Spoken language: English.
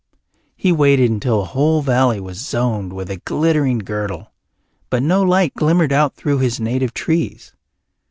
He waited until the whole valley was zoned with a glittering girdle, but no light glimmered out through his native trees.